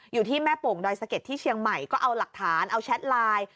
อยู่ที่แม่โป่งดอยสะเก็ดที่เชียงใหม่ก็เอาหลักฐานเอาแชทไลน์